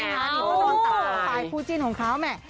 นี่ก็นอนตาภายคู่จิ้นของเขาแหม